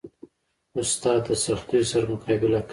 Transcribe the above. استاد د سختیو سره مقابله کوي.